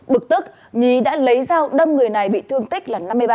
bực tức nhí đã lấy rao đâm người này bị thương tích năm mươi ba